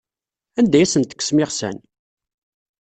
Anda ay asen-tekksem iɣsan?